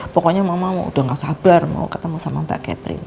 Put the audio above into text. pokoknya mama udah gak sabar mau ketemu sama mbak catherine